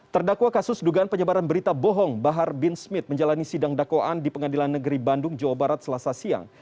terdakwa kasus dugaan penyebaran berita bohong bahar bin smith menjalani sidang dakwaan di pengadilan negeri bandung jawa barat selasa siang